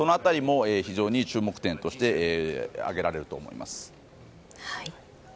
その辺りも非常に注目点として挙げられると思います。